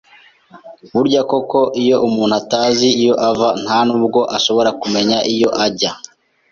burya koko iyo umuntu atazi iyo ava nta nubwo ashobora kumenya iyo ajya